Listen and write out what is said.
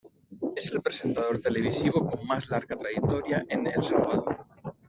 Es el presentador televisivo con más larga trayectoria en El Salvador.